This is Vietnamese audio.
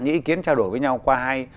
những ý kiến trao đổi với nhau qua hai